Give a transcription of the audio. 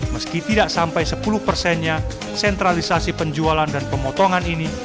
meski tidak sampai sepuluh persennya sentralisasi penjualan dan pemotongan ini